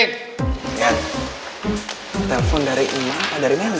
ian telpon dari emak apa dari mel nih